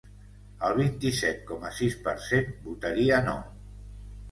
El vint-i-set coma sis per cent votaria no.